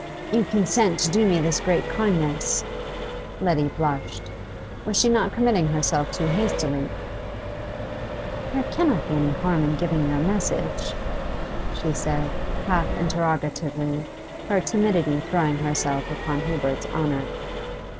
'You consent to do me this great kindness?' Letty blushed. Was she not committing herself too hastily 'There cannot be any harm in giving your message,' she said, half interrogatively, her timidity throwing itself upon Hubert's honour.